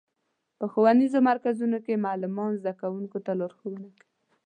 په ښوونیزو مرکزونو کې معلمان زدهکوونکو ته لارښوونه کوي.